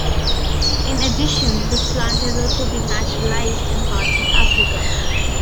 In addition, this plant has also been naturalized in parts of Africa.